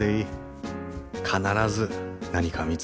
必ず何か見つかるから。